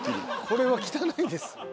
これは汚いです